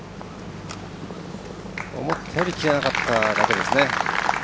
思ったより切れなかっただけです。